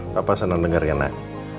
papa senang dengarnya nak